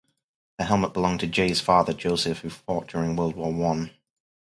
The helmet belonged to Jay's father, Joseph, who fought during World War One.